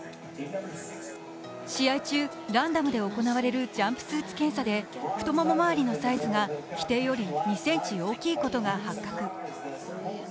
試合中、ランダムで行われるジャンプスーツ検査で太股まわりのサイズが規定より２ｃｍ大きいことが発覚。